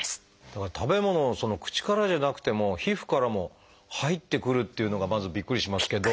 だから食べ物口からじゃなくても皮膚からも入ってくるっていうのがまずびっくりしますけど。